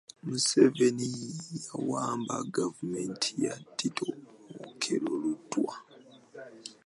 Museveni yawamba Gavumenti ya Tito Okello Lutwa.